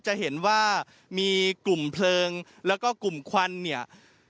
จะเห็นว่ามีกลุ่มเพลิงแล้วก็กลุ่มควันเนี่ย